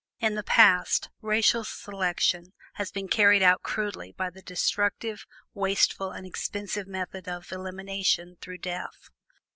In the past, racial selection has been carried out crudely by the destructive, wasteful, and expensive method of elimination, through death.